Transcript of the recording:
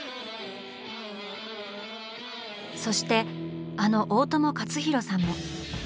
そしてあの大友克洋さんも。